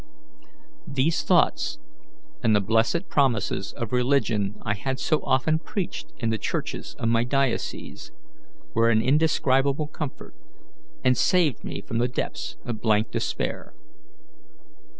These thoughts, and the blessed promises of religion I had so often preached in the churches of my diocese, were an indescribable comfort, and saved me from the depths of blank despair.